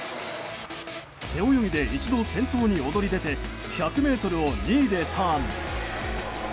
背泳ぎで一度先頭に躍り出て１００ｍを２位でターン。